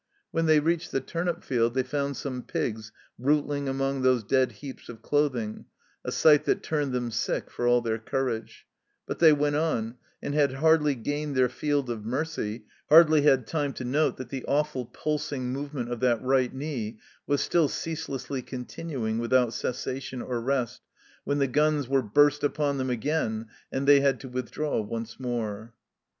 When they reached the turnip field, they found some pigs rootling among those dead heaps of clothing, a sight that turned them sick for all their courage ; but they went on, and had hardly gained their field of mercy, hardly had time to note that the awful pulsing movement of that right knee was still ceaselessly continuing without cessation or rest, when the guns were burst upon them again, and they had to withdraw once more.